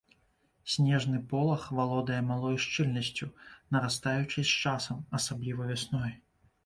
Снежны полаг валодае малой шчыльнасцю, нарастаючай з часам, асабліва вясной.